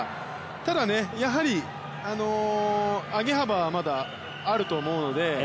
ただ、やはり上げ幅はまだあると思うので。